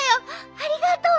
ありがとう。